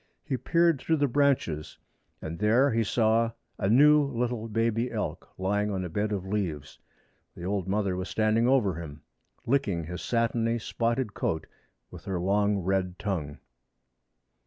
He peered through the branches, and there he saw a new little baby elk lying on a bed of leaves. The old mother was standing over him, and licking his satiny spotted coat with her long red tongue.